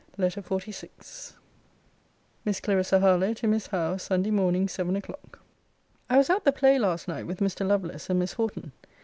LETTER XLVI MISS CLARISSA HARLOWE, TO MISS HOWE SUNDAY MORNING, SEVEN O'CLOCK. I was at the play last night with Mr. Lovelace and Miss Horton.